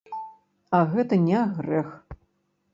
А гэта не грэх.